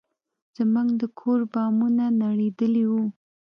زموږ د کور بامونه نړېدلي وو.